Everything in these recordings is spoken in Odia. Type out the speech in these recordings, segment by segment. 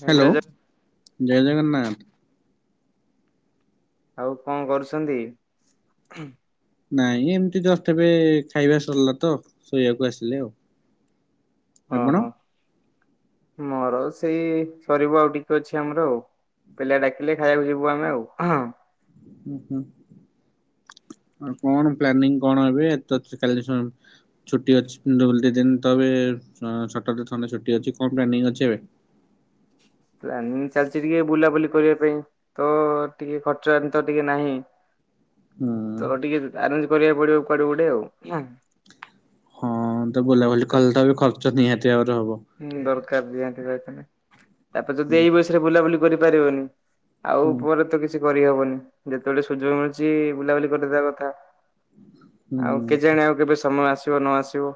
ଜୟ ଜଗନ୍ନାଥ ଜୟ ଜଗନ୍ନାଥ। ଆଉ କଣ କରୁଛନ୍ତି? ନାଇଁ ଏମିତି ଜଷ୍ଟ ଏବେ ଖାଇବା ସରିଲା ତ ଶୋଇବାକୁ ଆସିଲେ ଆଉ। ଆପଣ? ଓହୋ ମୋର ସେଇ ସରିବ ଆଉ ଟିକେ ଅଛି ଆମର ଆଉ। ପିଲା ଡାକିଲେ ଖାଇବାକୁ ଯିବୁ ଆମେ ଆଉ। ହୁଁ ହୁଁ ଆଉ କଣ ପ୍ଲାନିଂ କଣ ଏବେ ଏ ତ କାଲି ଛୁଟି ଅଛି ଦଟି ଦିନ ତବେ ଛଟ ଥଣ୍ଡେ ଛୁଟି ଅଛି କଣ ପ୍ଲାନିଂ ଅଛି ଏବେ? ପ୍ଲାନିଂ ଚାଲିଛି ଟିକେ ବୁଲାବୁଲି କରିବା ପାଇଁ। ତ ଟିକେ ଖର୍ଚ୍ଚ ଏଠି ତ ଟିକେ ନାହିଁ। ହୁଁ ତ ଟିକେ ଆରେଞ୍ଜ କରିବାକୁ ପଡିବ କୁଆଡେ ଗୋଟେ ଆଉ। ହଁ ତ ବୁଲାବୁଲି କଲେ ତ ଏବେ ଖର୍ଚ୍ଚ ନିହାତି ଭାବରେ ହବ। ହୁଁ ଦରକାର ଦିହାନ୍ତି ଯାଇଥିଲେ ତାପରେ ଯଦି ହୁଁ ଏଇ ବୟସରେ ବୁଲାବୁଲି କରିପାରିବନି ଆଉ ହୁଁ ପରେ ତ କିଛି କରିହବନି ଯେତେବେଳେ ସୁଯୋଗ ମିଳୁଛି ବୁଲାବୁଲି କରିଦେବା କଥା ଆଉ ହୁଁ କେ ଜାଣି ଆଉ କେବେ ସମୟ ଆସିବ ନ ଆସିବ।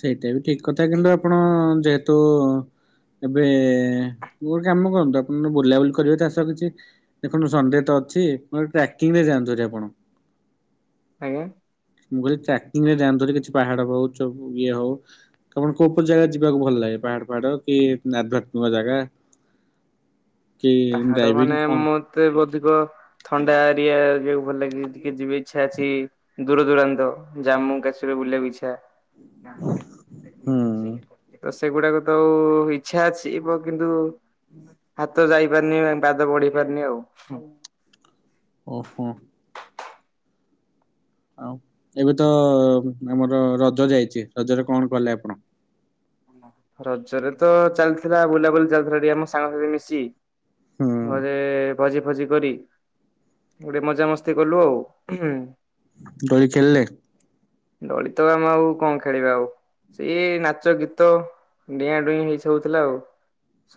ସେଇଟା ବି ଠିକ୍ କଥା କିନ୍ତୁ ଆପଣ ଯେହେତୁ ଏବେ ଗୋଟେ କାମ କରନ୍ତୁ ଆପଣ ବୁଲାବୁଲି କରିବେ ଚାଷ କିଛି ଦେଖନ୍ତୁ ସଣ୍ଡେ ତ ଅଛି ଗୋଟେ ଟ୍ରାକିଂ ରେ ଯାଆନ୍ତୁ ହାରି ଆପଣ। ଆଜ୍ଞା। ମୁଁ କିହିଁଲି ଟ୍ରାକିଂ ରେ ଯାଅନ୍ତୁ ହାରି କିଛି ପାହାଡ ହଉ ଚ ଇଏ ହଉ। ଆପଣ କୋଉ କୋଉ ଜାଗା ଯିବାକୁ ଭଲ ଲାଗେ ପାହାଡ ପାହାଡ କି ଆଧ୍ୟାତ୍ମିକ ଜାଗା କି ପାହାଡ ମାନେ ଡ୍ରାଇଭିଙ୍ଗ କଣ? ମତେ ଟିକେ ଅଧିକ ଥଣ୍ଡା ଏରିଆକୁ ଭଲ ଲାଗ ଟିକେ ଯିବେ ଇଚ୍ଛା ଅଛି। ଦୂର ଦୂରାନ୍ତ ଜାମ୍ମୁ କାଶ୍ମୀର ବୁଲିବାକୁ ଇଚ୍ଛା। ହୁଁ [unintelligible] ସେଗୁଡାକ ତ ଇଛା ଅଛିବ କିନ୍ତୁ ହାତ ଯାଇ ପାରନି ପାଦ ବଢି ପାରନି ଆଉ। ଓ ହୋ ଆଉ ଏବେ ତ ଆମର ରଜ ଯାଇଛି ରଜରେ କଣ କଲେ ଆପଣ? ରଜରେ ତ ଚାଲିଥିଲା ବୁଲାବୁଲି ଚାଲିଥିଲା ଟିକେ ଆମ ସାଙ୍ଗସାଥି ମିଶି ହୁଁ ଘରେ ଭୋଜି, ଫୋଜି କରି ଗୋଟେ ମଜାମସ୍ତି କଲୁ ଆଉ। ଦୋଳି ଖେଳିଲେ? ଦୋଳି ତ ଆମେ ଆଉ କଣ ଖେଳିବା ଆଉ ସେଇ ନାଚ, ଗୀତ ତ ଡିଆଁଡୁଇଁ ହେଇ ସବୁ ହଉଥିଲା ଆଉ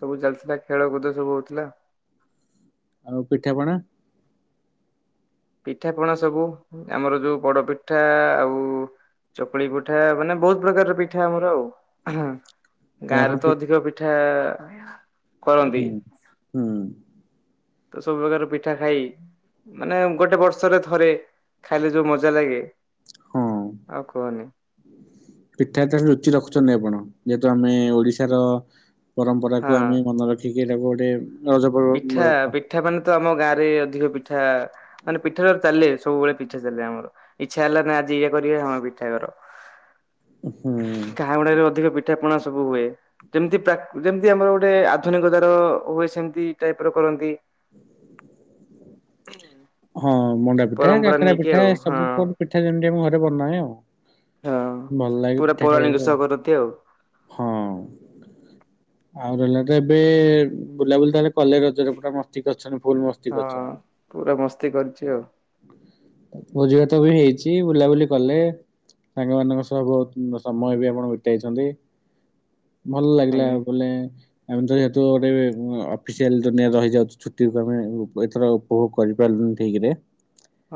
ସବୁ ଚାଲିଥିଲା ଖେଳ କୁଦ ସବୁ ହଉଥିଲା। ଆଉ ପିଠା ପଣା ପିଠା ପଣା ସବୁ ଆମର ଯୋଉ ବଡ ପିଠା ଆଉ। ଚକୁଳି ପିଠା ମାନେ ବହୁତ ପ୍ରକାରର ପିଠା ଆମର ଆଉ। ତାହେଲେ ଆପଣ ଗାଁରେ ତ ଅଧିକ ପିଠା। କରନ୍ତି ହୁଁ, ହୁଁ। ତ ସବୁ ପ୍ରକାର ପିଠା ଖାଇ ମାନେ ଗୋଟେ ବର୍ଷରେ ଥରେ ଖାଇଲେ ଯୋଉ ମଜା ଲାଗେ ହଁ ଆଉ କହନି। ପିଠା ଠାରୁ ଲୁଚିରଖୁଛନ୍ତି ଆପଣ ଯେହେତୁ ଆମେ ଓଡିଶାର ପରମ୍ପରାକୁ ହଁ ଆମେ ମନେ ରଖିକି ଏଇଟାକୁ ଗୋଟେ ରଜ ପିଠା ପର୍ବ ପିଠା ମାନେ ତ ଆମ ଗାଁ ରେ ଅଧିକ ପିଠା ମାନେ ପିଠାରେ ଚାଲେ ସବୁବେଳେ ପିଠା ଚାଲେ ଆମର। ଇଚ୍ଛା ହେଲା ନି ଆଜି ଇଏ କରିବା ହିଁ ଆମ ପିଠା କର। ହୁଁ। ଗାଁ ଗୁଡାରେ ଅଧିକ ପିଠା ପଣା ସବୁ ହୁଏ ଯେମିତି ପ୍ରାକ୍ ଯେମିତି ଆମର ଗୋଟେ ଆଧୁନିକ ଦାର ହୁଏ ସେମିତି ଟାଇପ୍ ର କରନ୍ତି। ହଁ, ମଣ୍ଡା ପିଠା, ପରମ୍ପରା କାକରା ନେଇକି ପିଠା ଆଉ ଏ ହଁ ସବୁ ପିଠା ଯେମିତି ଆମ ଘରେ ବନାଏ ଆଉ। ଭଲ ଲାଗେ ପିଠା ଖାଇବାକୁ ଆଉ। ଏମତି ଆଉ। ହଁ। ଆଉ ରହିଲା ତ ଏବେ ବୁଲାବୁଲି ତାେଲେ କଲେ ରଜରେ ପଟା ମସ୍ତି କରି ଅଛନ ଫୁଲ ମସ୍ତି ହଁ କରିଛନ୍ତି। ପୁରା ମସ୍ତି କରିଚି ଆଉ। ଭୋଜିଭାତ ବି ହେଇଚି ବୁଲାବୁଲି କଲେ। ସାଙ୍ଗମାନାନଙ୍କ ସହ ବହୁତ୍ ସମୟ ବି ଆପଣ ବିତେଇଛନ୍ତି। ଭଲ ଲାଗିଲା ଆଜ୍ଞା। ବୋଲେ ଆମେ ତ ଯେହେତୁ ଗୋଟେ ଅଫିସିଆଲ ରହିଯାଉଛୁ ଛୁଟିକୁ ଆମେ ଏଥର ଓ କରିପାରିଲୁନି ଠିକ୍ ରେ।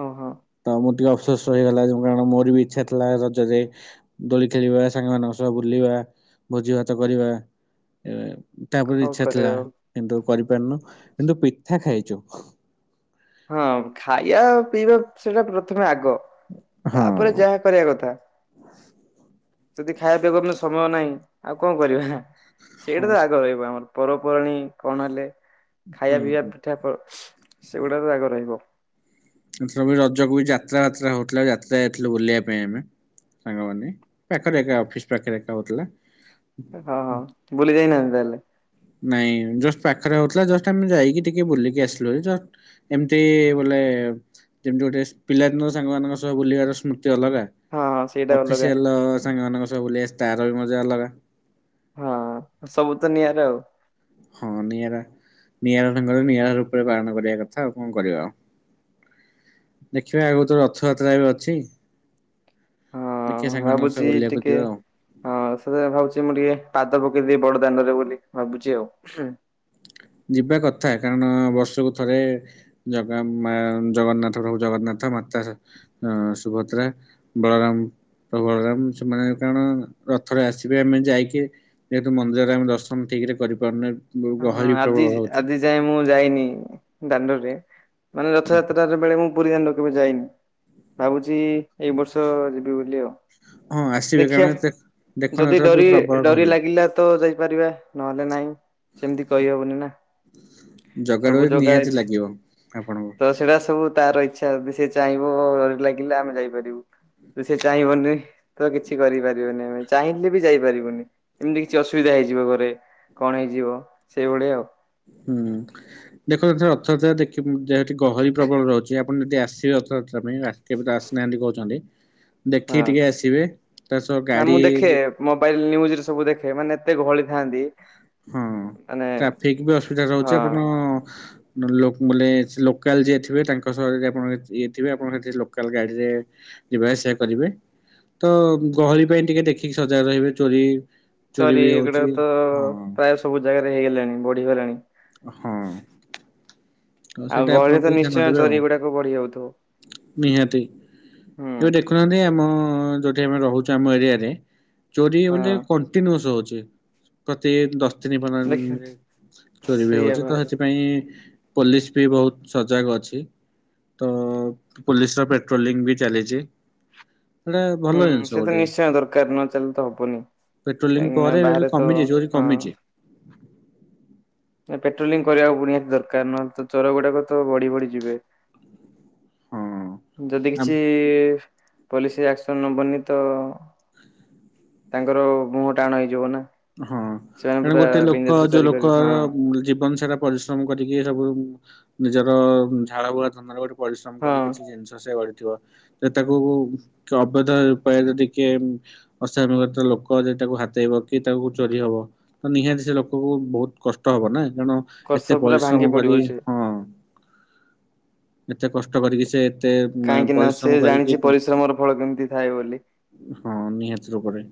ଓହୋ। ତ ମୁଁ ଟିକେ ଅଫସୋସ ରହିଗଲା ଯେ କାରଣ ମୋର ବି ଇଚ୍ଛା ଥିଲା ରଜରେ ଦୋଳି ଖେଳିବା ସାଙ୍ଗମାନଙ୍କ ସହ ବୁଲିବା ଭୋଜି ଭାତ କରିବା। ଏ ତାପରେ ହଉ ଇଚ୍ଛା ଥିଲା କରିବା ଆଉ କିନ୍ତୁ କରିପାରୁନୁ କିନ୍ତୁ ପିଠା ଖାଇଚୁ। ହଁ ଖାଇବା ପିଇବା ସେଟା ପ୍ରଥମେ ଆଗ ହଁ ତାପରେ ଯାହା କରିବା କଥା ଯଦି ଖାଇବା ପିଇବାକୁ ସମୟ ନାହିଁ ଆଉ କଣ କରିବା। ହଁ ସେଇଟା ତ ସ- ଆଗ ରହିବ ଆମର ପର୍ବପର୍ବାଣିୀ କଣ ହେଲେ ହୁଁ ଖାଇବା ପିଇବା ହୁଁ ପିଠା ପ [unintelligible] ରହିବ। ଏଥର ବି ରଜକୁ ବି ଯାତ୍ରା ଫାତ୍ରା ହଉଥିଲା ଯାତ୍ରା ଯଥିଲୁ ବୁଲିବା ପାଇଁ ଆମେ। ସାଙ୍ଗମାନେ ପାଖରେ ଏକା ଅଫିସ୍ ପାଖରେ ଏକା ହଉଥିଲା। ହଁ ହଁ ଭୁଲି ଯାଇନାହାନ୍ତି ତାହେଲେ? ନାଇଁ ଜଷ୍ଟ ପାଖରେ ହଉଥିଲା ଜଷ୍ଟ ଆମେ ଯାଇକି ଟିକେ ବୁଲିକି ଆସିଲୁ ହେରି ଯ ଏମତି ବୋଲେ ଯେମିତି ଗୋଟେ ପିଲାଦିନ ସାଙ୍ଗମାନଙ୍କ ସହ ବୁଲିବାର ସ୍ମୃତି ଅଲଗା। ହଁ ହଁ ସେଇଟା ଅଲଗା। ଅଫିସିଆଲ ର ସାଙ୍ଗ ମାନଙ୍କ ସହ ବୁଲିବା ଆସ ତାର ବି ମଜା ଅଲଗା। ହଁ ସବୁ ତ ନିଆଁରେ ଆଉ। ଖନି ହେରା। ନିଆରା ଢଙ୍ଗରେ ନିଆରା ରୂପରେ ପାଳନ କରିବା କଥା ଆଉ କଣ କରିବା ଆଉ। ଦେଖିବା ଆଗ ତୋ ରଥଯାତ୍ରା ବି ଅଛି। ଦେଖେ ହଁ ସାଙ୍ଗମାନଙ୍କସ ଭାବୁଛି ବୁଲିବାକୁ ଟିକେ ଯିବ ଆଉ। ହଁ ସେ ଭାବଚି ମୁଁ ଟିକେ ପାଦ ପକେଇଦେବି ବଡ ଦାଣ୍ଡରେ ବୋଲି ଭାବୁଚି ଆଉ। ଯିବା କଥା କାରଣ ବର୍ଷକୁ ଥରେ ଜଗା ମା ଜଗନ୍ନାଥ ପ୍ରଭୁ ଜଗନ୍ନାଥ ମାତା ଅ ସୁଭଦ୍ରା ବଳରାମ ପ୍ରବଳରାମ ସେମାନେ କାରଣ ରଥରେ ଆସିବେ ଆମେ ଯାଇକି ଯେହେତୁ ମନ୍ଦିରରେ ଆମେ ଦର୍ଶନ ଠିକ୍ ରେ କରିପାରୁନେ ଯୋଉ ହଁ ଗହଳି ପ୍ରବଳ ଆଜି ରହୁଛି ଆଜି ଯାଏଁ ମୁଁ ଯାଇନି ଦାଣ୍ଡରେ ମାନେ ରଥଯାତ୍ରା ର ସେତେବେଳେ ମୁଁ ପୁରୀ ଦାଣ୍ଡକୁ କେବେ ଯାଇନି ଭାବୁଚି ଏଇ ବର୍ଷ ଯିବି ବୋଲି ଆଉ। ହଁ ଆସିବେ କାରଣ ଦେଖିଆ ଏତେ ଦେଖନ୍ତୁ ଯଦି ଏଥର ବି ଡୋରି ପ୍ରବଳ ଡରି ଗହଳି ଲାଗିଲା ତ ଯାଇପାରିବା ନହେଲେ ନାହିଁ ସେମିତି କହିହବନି ନାଁ। ଜଗା ଡୋରି ନିହାତି ଲାଗିବ ଆପଣଙ୍କୁ। ସେଟା ସବୁ ତାର ଇଚ୍ଛା ଯଦି ସେ ଚାହିଁବ ଡରି ଲାଗିଲେ ଆମେ ଯାଇପାରିବୁ। ତୁ ସେ ଚାହିଁବନି। ତ କିଛି କରିପାରିବନି ଆମେ ଚାହିଁଲେ ବି ଯାଇପାରିବୁନି ଏମିତି କିଛି ଅସୁବିଧା ହେଇଯିବ ଘରେ। କଣ ହେଇଯିବ ସେଇଭଳିଆ ଆଉ। ହୁଁ ଦେଖନ୍ତ ରଥଯାତ୍ରା ଦେଖିବ ଦେହି ଗହଳି ପ୍ରବଳ ରହୁଚି ଆପଣ ଯଦି ଆସିବେ ରଥଯାତ୍ରା [unintelligible] ପାଇଁ ରାତି ତ ଆସିନାହାନ୍ତି କହୁଛନ୍ତି ଦେଖିକି ହଁ। ଟିକେ ଆସିବେ ତା ସହ ନା ଗାଡ଼ି ମୁଁ ଦେଖେ ମୋବାଇଲ ନ୍ୟୁଜରେ ସବୁ ଦେଖେ ମାନେ ଏତେ ଗହଳି ଥାଆନ୍ତି। ହଁ ମାନେ ଟ୍ରାଫିକ ବି ଅସୁବିଧା ରହୁଛି ହଁ ଆପଣ ଲୋ ଲୋକାଲ ଯିଏ ଥିବେ, ତାଙ୍କ ସହ ଯଦି ଆପଣ ଇଏଥିବେ ଆପଣଙ୍କ ସେଠି ଲୋକାଲ ଗାଡ଼ିରେ ଯିବା ଆସିବା କରିବେ ତ ଗହଳି ପାଇଁ ଟିକେ ଦେଖିକି ସଜାଗ ରହିବେ ଚୋରି ଚୋରି ବି ହଉଛି ଏଗୁଡ଼ାକ ତ ହଁ ପ୍ରାୟ ସବୁ ଜାଗାରେ ହେଇଗଲାଣି ବଢିଗଲାଣି। ହଁ। ହଉ ଆଉ ସେଇଟା ଆପଣ ଗହଳିରେ ତ ଟିକେ ଧ୍ୟାନ ନିଶ୍ଚୟ ଦେବେ ଚୋରି ଆଉ ଗୁଡାକ ବଢି ଯାଉଥିବ ନିହାତି ହୁଁ ଏବେ ଦେଖୁନାହାନ୍ତି ଆମ ଯଉଠି ଆମେ ରହୁଛୁ ଆମ ଏରିଆରେ। ଚୋରି ମାନେ ହଁ କଣ୍ଟିନ୍ୟୁସ୍ ହଉଛି ପ୍ରତି ଚିହ୍ନି ଦେଖ ପାରୁନାହାନ୍ତି, ଚୋରି ବି ସେଇଆ ହଉଛି ତ ବା ସେଥିପାଇଁ ପୋଲିସ ବି ବହୁତ ସଜାଗ ଅଛି। ତ ପୋଲିସ ର ପେଟ୍ରୋଲିଂ ବି ଚାଲିଛି। ଏଟା ହୁଁ ଭଲ ଜିନିଷ ସେ ତ ଗୋଟେ ନିଶ୍ଚୟ ଦରକାର ନ ଦେଲେ ତ ହବନି ପେଟ୍ରୋଲିଂ କାହିଁକିନା ପରେ ଏବେ ବି ବାହାରେ ତ କମିଛି ଚୋରି ହଁ। କମିଛି। ନା ପେଟ୍ରୋଲିଂ କରିବାକୁ ନିହାତି ଦରକାର ନ ତ ଚୋର ଗୁଡାକ ତ ବଢି ବଢି ଯିବେ। ଯଦି ହଁ କିଛି ପୋଲିସି ଆକ୍ସନ ନବନି ତ ତାଙ୍କର ମୁହଁ ଟାଣ ହେଇଯିବ ନା। ହଁ ସେମାନେ କାରଣ ପୁରା ଗୋଟେ ଲୋକ ବିନ୍ଦାସ ରେ ଯୋଉ ଚୋରି କରିବେ ହଁ ଲୋକର ଜୀବନ ସେଟା ପରିଶ୍ରମ କରିକି ସବୁ ନିଜର ଝାଳ ବୁହା ଧନ ପରିଶ୍ରମ ହଁ କରି କିଛି ଜିନିଷ ସେ କରିଥିବ। ତାକୁ ଅବଧ ଉପାୟ ଯଦି କିଏ ଅସାନୁଗତ ଲୋକ ଯେ ତାକୁ ହାତେଇବୁ କି ତାକୁ ଚୋରି ହବ ତ ନିହାତି ସେ ଲୋକକୁ ବହୁତ କଷ୍ଟ ହବ ନା କଣ? କଷ ଏତେ ପୁରା ପରିଶ୍ରମ ଭାଙ୍ଗି ପଡିବ କରି ସେ ହଁ ଏତେ କଷ୍ଟ କରିକି ସେ ଏତେ ମା- କାହିଁକି ନା ପରିଶ୍ରମ ସେ କରିକି ଜାଣିଛି ପରିଶ୍ରମର ଫଳ କେମିତି ଥାଏ ବୋଲି। ହଁ ନିହାତି ରୂପରେ।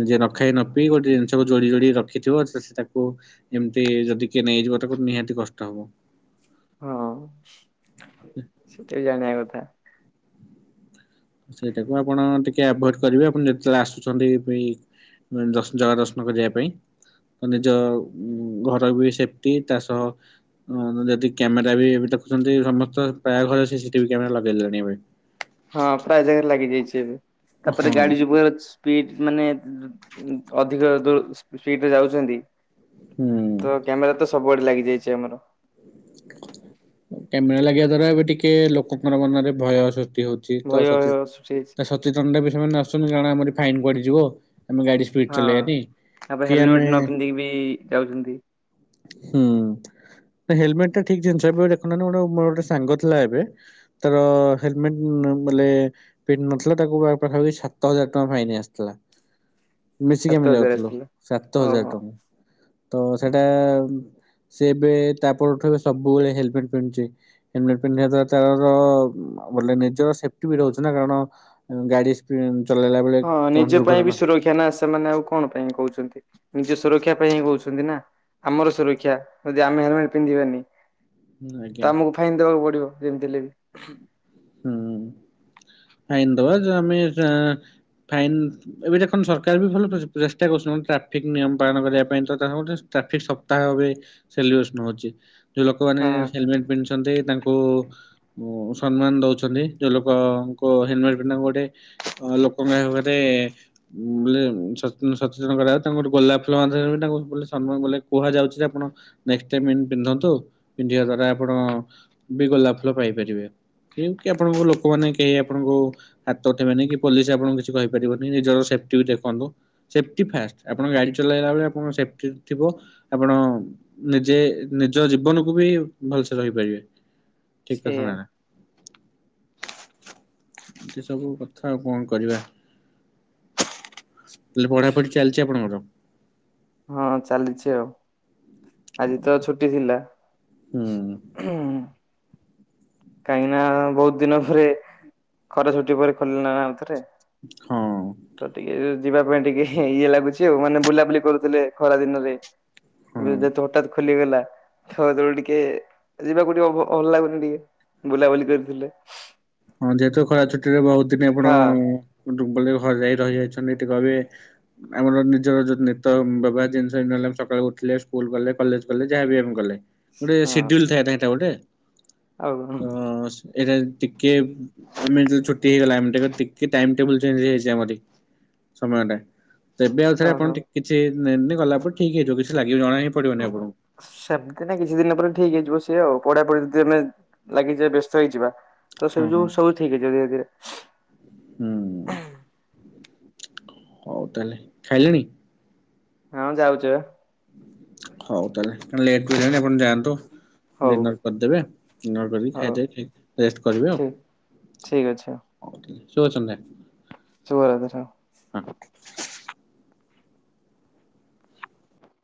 ନିଜେ ନଖାଇ ନ ପି ଗୋଟେ ଜିନିଷକୁ ଯୋଡ଼ି ଯୋଡ଼ି ରଖିଥିବ ସେ ସେ ତାକୁ ଏମିତି ଯଦି କିଏ ନେଇଯିବ ତାକୁ ନିହାତି କଷ୍ଟ ହବ। ହଁ ସେତ ବି ଜାଣିବା କଥା। ସେଇଟାକୁ ଆପଣ ଟିକେ ଆଭଏଡ କରିବେ। ଆପଣ ଯେତେବେଳେ ଆସୁଛନ୍ତି ବି ଦଶ ଜାଗା ଦର୍ଶନ କରିବା ପାଇଁ। ତ ନିଜ ଘର ବି ସେଫ୍ଟି ତା ସହ ଯଦି କ୍ୟାମେରା ବି ଦେଖୁଛନ୍ତି ସମସ୍ତ ପ୍ରାୟ ଘରେ ସିସିଟିଭି କ୍ୟାମେରା ଲଗେଇ ଦେଲେଣି ଏବେ। ହଁ ପ୍ରାୟ ଜାଗାରେ ଲାଗି ଯାଇଛି, ତାପରେ ହଁ ଗାଡି ଯୁ ସ୍ପିଡ ମାନେ ଅଧିକ ଦ ସ୍ପିଡରେ ଯାଉଛନ୍ତି। ତ ହୁଁ। କ୍ୟାମେରା ତ ସବୁଆଡେ ଲାଗିଯାଇଛି ଆମର। କ୍ୟାମେରା ଲାଗିବା ଦ୍ଵାରା ଏବେ ଟିକେ ଲୋକଙ୍କ ମନରେ ଭୟ ସୃଷ୍ଟି ଠିକ୍ ତ ଭୟ ଆସୁଛି ସଚେ-ସଚେତନତା ବି ସେମାନେ ଆସୁଛନ୍ତି କାରଣ ଆମର ଫାଇନ୍ ପଡିଯିବ। ହଁ ତାପରେ ହେଲମେଟ ନ ପିନ୍ଧିକି ବି ଯାଉଛନ୍ତି। ହୁଁ ହେଲମେଟ ଟା ଠିକ ଜିନିଷ ଏବେ ଦେଖୁନାନ୍ତି ଗୋଟେ ମୋର ଗୋଟେ ସାଙ୍ଗ ଥିଲା ଏବେ ତାର ହେଲମେଟ ବଲେ ପିନ୍ଧି ନଥିଲା ତାକୁ ପାଖାପାଖି ସାତ ହଜାର ଟଙ୍କା ଫାଇନ୍ ଆସିଥିଲା। ମିଶିକି ସାତ ଆମେ ହଜାର ଯାଉଥୁଲୁ ଆସିଲା। ସାତ ହଜାର ଓହୋ ଟଙ୍କା ତ ସେଇଟା ସେ ଏବେ ତାପରଠୁ ସବୁବେଳେ ହେଲମେଟ ପିନ୍ଧୁଛି। ହେଲମେଟ ପିନ୍ଧିବା ଦ୍ଵାରା ତାର ବ ନିଜର ସେଫ୍ଟି ବି ରହୁଛି ନା କାରଣ ଗାଡି ଚଲେଇଲା ବେଳେ କଣ ଦୁର୍ଘଟଣା କ୍ୟା ନା ସେମାନେ ଆଉ କଣ ପାଇଁ କୋହୁଚନ୍ତି? ନିଜ ସୁରକ୍ଷା ପାଇଁ ହିଁ କୋହୁଚନ୍ତି ନା ଆମର ସୁରକ୍ଷା ଯଦି ଆମେ ହେଲମେଟ ପିନ୍ଧିବାନି ତ ଆଜ୍ଞା ଆମକୁ ଫାଇନ ଦେବାକୁ ପଡିବ ଯେମିତିଲେ ବି। ହୁଁ। ଫାଇନ୍ ଦବା ଯ ଆମେ ଫାଇନ୍ ଏବେ ଦେଖନ୍ତୁ ସରକାର ବି ଭଲ ପ୍-ପ୍ରେଷ୍ଟା କରୁଛନ୍ତି ଟ୍ରାଫିକ ନିୟମ ପାଳନ କରିବା ପାଇଁ ତ ତା ଟ୍ରାଫିକ ସପ୍ତାହବି ସେଲିବ୍ରେଶନ ହେଉଚି। ଯୋଉ ଲୋକମାନେ ହଁ ହେଲମେଟ ପିଧୁଛନ୍ତି ତାଙ୍କୁ ସମ୍ମାନ ଦୋଉଚନ୍ତି ଯୋଉ ଲୋକଙ୍କ ହେଲମେଣ୍ଟ ପିନ୍ଧୁ ତାଙ୍କୁ ଗୋଟେ ଅ ଲୋକଙ୍କରେ ଗୋଟେ ବୋଲେ ସଚ୍-ସଚେତନ କରିଆକୁ ତାଙ୍କୁ ଗୋଟେ ଗୋଲାପ ଫୁଲ ମାଧ୍ୟମରେ ବି ତାଙ୍କୁ ବୋଲେ ସମୟ ବୋଲେ କୁହାଯାଉଛି ଯେ ଆପଣ ନେସ୍କଟାଇମ୍ ଇନ୍ ପିନ୍ଧନ୍ତୁ ପିନ୍ଧିବା ଦ୍ଵାରା ଆପଣ ବି ଗୋଲାପ ଫୁଲ ପାଇପାରିବେ। କି ଆପଣଙ୍କ ଲୋକମାନେ କି କେହି ଆପଣଙ୍କୁ ହାତ ଉଠେଇବେନି କି ପୋଲିସ ଆପଣଙ୍କୁ କିଛି କହିପାରିବନି ନିଜର ସେଫ୍ଟି ବି ଦେଖନ୍ତୁ। ସେଫ୍ଟି ଫାଷ୍ଟ ଆପଣ ଗାଡ଼ି ଚଲାଇଲା ବେଳେ ଆପଣଙ୍କ ସେଫ୍ଟି ଥିବ ଆପଣ ନିଜେ ନିଜ ଜୀବନକୁୁ ବି ଭଲସେ ରହିପାରିବେ। ଠିକ କଥା ସେଇଆ। ନାଇଁ ନା? ଏତେ ସବୁ କଥା ଆଉ କଣ କରିବା। ହେଲେ ପଢାପଢି ଚାଲିଚି ଆପଣଙ୍କର? ହଁ ଚାଲିଛି ଆଉ। ଆଜି ତ ଛୁଟି ଥିଲା। ହୁଁ କାହିଁକି ନା ବୋହୁତ ଦିନ ପରେ ଖରା ଛୁଟି ପରେ ଖୋଲିଲା ନା-ନାଉ ଥରେ। ହଁ। ତ ଟିକେ ଯିବା ପାଇଁ ଟିକେ ଇଏ ଲାଗୁଛି ଆଉ ମାନେ ବୁଲାବୁଲି କରୁଥିଲେ ଖରା ଦିନରେ। ହଁ ଯେହେତୁ ହଠାତ ଖୋଲିଗଲା ତ ହେତୋବେଳେ ଟିକେ ଯିବାକୁ ଟିକେ ଅଭ୍ ଭଲ ଲାଗୁନି ଟିକେ। ବୁଲାବୁଲି କରିଥିଲେ। ହଁ ଯେହେତୁ ଖରା ଛୁଟିରେ ବୋହୁତ ଦିନ ଆପଣ ହଁ ବଲେ ଘରେ ରହିଯାଇଛନ୍ତି ଟିକ ବି ଆମର ନିଜର ଯୋଉ ନିତ ବ୍ୟବହାର ଜିନିଷ ଜେନ୍ତି ହେଲା ଆମେ ସକାଳୁ ଉଠିଲେ ସ୍କୁଲ ଗଲେ କଲେଜ କଲେ ଯାହାବି ଆମେ କଲେ ଗୋଟେ ହଁ ସିଡି୍ୟୁଲ ଥାଏ ନା ହେଟା ଗୋଟେ। ଆଉ ତ ଏଇଟା ଟିକେ ଏମିତି ଯେତୋବେଳେ ଛୁଟି ହେଇଗଲାମ ଇମତି ଟିକେ ଟାଇମ୍ ଟେବୁଲ୍ ଚେଞ୍ଜ ହେଇଯାଇଚି ଆମରି। ସମୟ ଟା ତ ଏବେ ଆଉ ଥରେ ଆପଣ କିଛି ଗଲା ପରେ ଠିକ ହେଇଯିବ କିଛି ଲାଗିବ ଜଣା ହିଁ ପଡିବନି ହଁ। ଆପଣଙ୍କୁ। ସେମିତି ନା କିଛି ଦିନ ପରେ ଠିକ ହେଇଯିବ ସିଏ ଆଉ ପଢା ପଢି ଯଦି ଆମେ ଲାଗିଯ ବ୍ୟସ୍ତ ହେଇଯିବା। ତ ହଁ ସେବ ହଁ। ଯୋଉ ସବୁ ଠିକ ହେଇଯିବ ଧୀରେ ଧୀରେ। ହୁଁ ହୋଉ ତାହେଲେ ଖାଇଲେଣି? ହଁ ଯାଉଚି ପା। ହୋଉ ତାହେଲେ ଆପଣ ଲେଟ୍ ହେଲାଣି ଆପଣ ଯାଆନ୍ତୁ। ହଉ ଡିନର କରିଦେବେ ଡିନର କରିକି ହଉ ଖାଇଦେ ଖାଇକି ରେଷ୍ଟ କରିବେ ଆଉ। ଠିକ ଠିକ ଅଛି ଓକେ ଶୁଭ ସନ୍ଧ୍ୟା। [unintelligible] ହୁଁ।